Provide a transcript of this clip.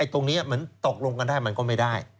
ตรงนี้เหมือนตกลงกันได้มันก็ไม่ได้